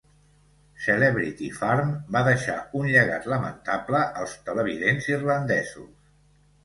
"Celebrity Farm" va deixar un llegat lamentable als televidents irlandesos.